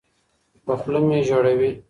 پـه خـولـه مي ژړوې